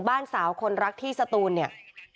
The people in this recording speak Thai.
บ้านสาวคนรักที่สตูนเนี่ย